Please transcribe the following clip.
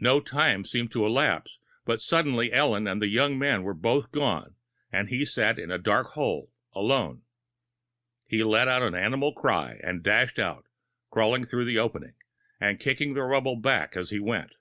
No time seemed to elapse, but suddenly Ellen and the young man were both gone, and he sat in the dark hole, alone. He let out an animal cry, and dashed out, crawling through the opening, and kicking the rubble back as he went.